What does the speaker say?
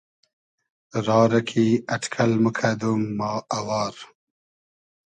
را رۂ کی اݖکئل موکئدوم ما اوار